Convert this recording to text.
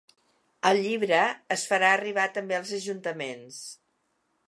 El llibre es farà arribar també als ajuntaments.